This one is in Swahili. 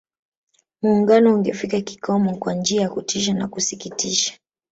Muungano ungefikia kikomo kwa njia ya kutisha na kusikitisha